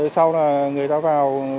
sau là người ta vào